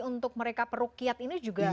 untuk mereka perukiat ini juga